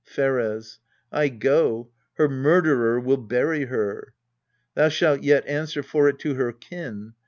Pheres. I go: her murderer will bury her. Thou shalt yet answer for it to her kin.